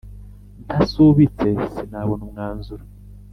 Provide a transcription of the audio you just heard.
Ntasubitse sinabona umwanzuro